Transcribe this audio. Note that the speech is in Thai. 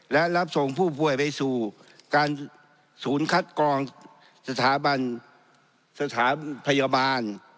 และรับส่งผู้ป่วยไปสู่การศูนย์คัดกรองสถาบันสถาพยาบาล